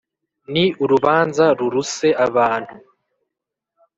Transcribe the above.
Ni urubanza ruruse ababntu